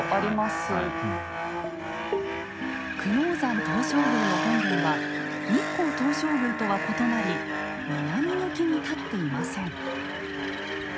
久能山東照宮の本殿は日光東照宮とは異なり南向きに建っていません。